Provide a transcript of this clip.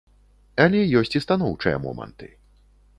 Але ёсць і станоўчыя моманты.